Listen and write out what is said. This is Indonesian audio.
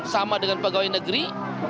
sama dengan pegawai negeri